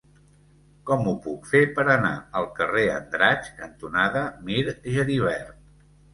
Com ho puc fer per anar al carrer Andratx cantonada Mir Geribert?